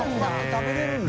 食べれるんだ。